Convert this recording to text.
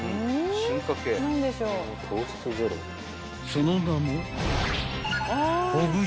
［その名も］